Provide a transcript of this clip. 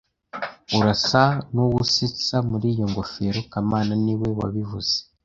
Urasa nuwusetsa muri iyo ngofero kamana niwe wabivuze